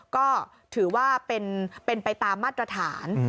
ก็ถือว่าเป็นไปตามมาตรฐาน